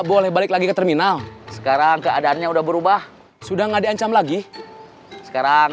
boleh balik lagi ke terminal sekarang keadaannya udah berubah sudah nggak diancam lagi sekarang